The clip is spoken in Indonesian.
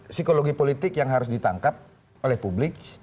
psikologi politik yang harus ditangkap oleh publik